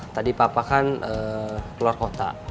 tadi papa kan keluar kota